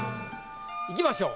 いきましょう。